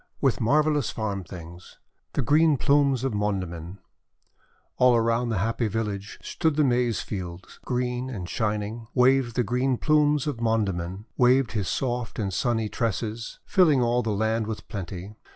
WITH MARVELLOUS FARM THINGS THE GREEN PLUMES OF MONDAMIN All around the happy village Stood the Maize fields, green and shining, Waved the green plumes of Mondamin, Waved his soft and sunny tresses, Filling all the land with plenty.